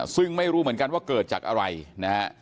ซึ่งไม่รู้เหมือนกันว่าเกิดจากอะไรนะฮะ